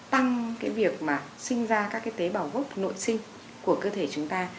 tăng cái việc mà sinh ra các cái tế bào gốc nội sinh của cơ thể chúng ta